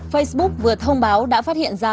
facebook vừa thông báo đã phát hiện ra